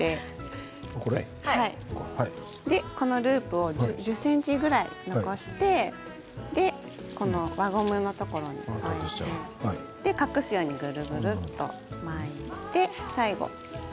このループを１０ｃｍぐらい残して輪ゴムのところを隠すようにぐるぐると巻いて。